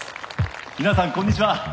皆さんこんにちは。